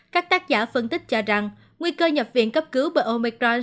các tác giả phân tích cho rằng nguy cơ nhập viện cấp cứu bởi omicron